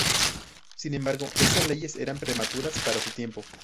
Sin embargo, estas leyes eran prematuras para su tiempo.